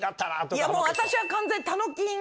いやもう、私は完全にたのきん。